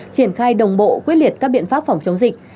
triển khai đồng bộ quyết liệt các biện pháp phòng chống dịch